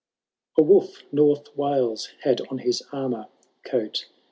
A wolf North Wales had on his armour coat.